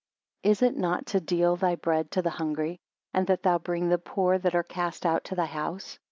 17 Is it not to deal thy bread to the hungry, and that thou bring the poor that are cast out to thy house?